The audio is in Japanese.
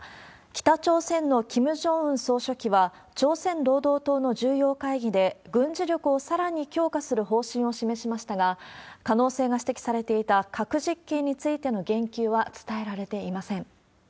北朝鮮のキム・ジョンウン総書記は、朝鮮労働党の重要会議で、軍事力をさらに強化する方針を示しましたが、可能性が指摘されていた核実験についての言及は伝えられていません。